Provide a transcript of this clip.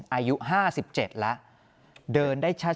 อายุห้าสิบเจ็ดแล้วเดินได้ช้า